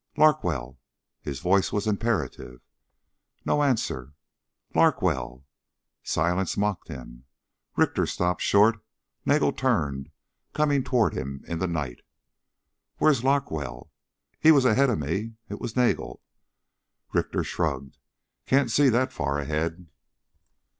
"Larkwell?" His voice was imperative. No answer. "Larkwell?" Silence mocked him. Richter stopped short. Nagel turned, coming toward him in the night. "Where's Larkwell?" "He was ahead of me." It was Nagel. Richter shrugged. "Can't see that far ahead."